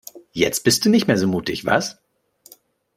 Jetzt bist du nicht mehr so mutig, was?